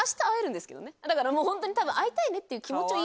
だからもうホントに多分会いたいねっていう。